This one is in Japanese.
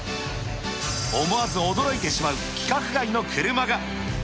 思わず驚いてしまう、規格外